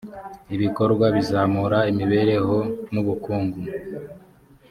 ibikorwa bizamura imibereho n ubukungu